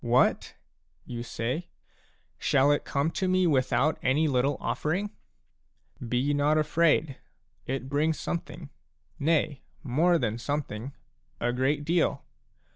" What ?" you say ;" shall it come to me without any little offering ?" Be not afraid ; it brings something, — nay, more than something, a great deal.